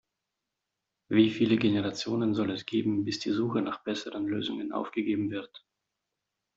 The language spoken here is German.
Wie viele Generationen soll es geben, bis die Suche nach besseren Lösungen aufgegeben wird?